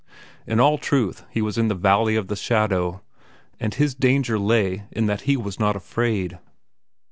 In all truth, he was in the Valley of the Shadow, and his danger lay in that he was not afraid.